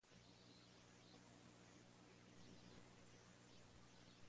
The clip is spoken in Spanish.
Ocupó un escaño como diputado nacional por Mendoza.